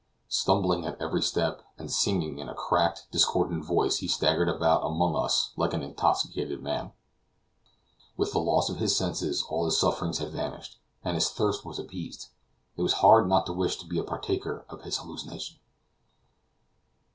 Stumbling at every step, and singing in a cracked, discordant voice, he staggered about among us like an intoxicated man. With the loss of his senses all his sufferings had vanished, and his thirst was appeased. It was hard not to wish to be a partaker of his hallucination.